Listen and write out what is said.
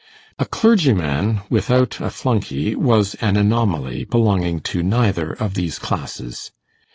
A clergyman without a flunkey was an anomaly, belonging to neither of these classes.